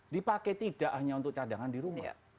dipakai tidak hanya untuk cadangan di rumah